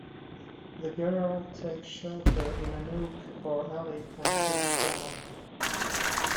The girl takes shelter in a nook or alley and sits down.